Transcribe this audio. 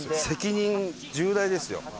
責任重大ですよ。